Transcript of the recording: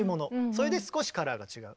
それで少しカラーが違う。